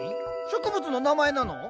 植物の名前なの？